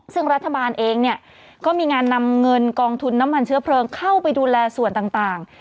ซึ่งรัฐบาลเองเนี่ยก็มีงานนำเงินกองทุนน้ำมันเชื้อเพลิงเข้าไปดูแลส่วนต่าง